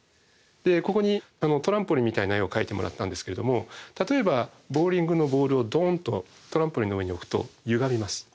ここにトランポリンみたいな絵を描いてもらったんですけれども例えばボウリングのボールをドンとトランポリンの上に置くとゆがみます。